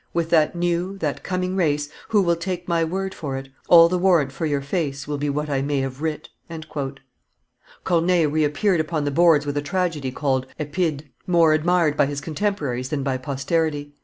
"With that new, that coming race, Who will take my word for it, All the warrant for your face Will be what I may have writ." Corneille reappeared upon the boards with a tragedy called OEdipe, more admired by his contemporaries than by posterity.